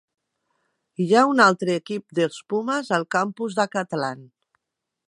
Hi ha un altre equip dels Pumas al campus d'Acatlán.